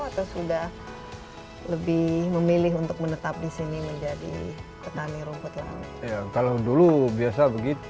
atau sudah lebih memilih untuk menetap disini menjadi petani rumput laut kalau dulu biasa begitu